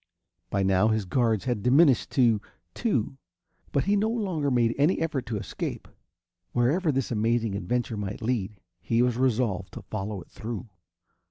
By now his guards had diminished to two, but he no longer made any effort to escape. Wherever this amazing adventure might lead, he was resolved to follow it through.